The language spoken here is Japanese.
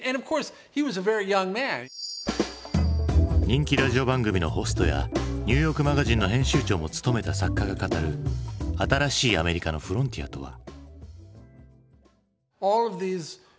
人気ラジオ番組のホストや「ニューヨークマガジン」の編集長も務めた作家が語る新しいアメリカのフロンティアとは。